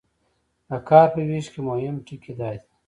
د کار په ویش کې مهم ټکي دا دي.